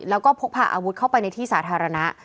แล้วก็พกพาอาวุธเข้าไปในที่สาธารณะ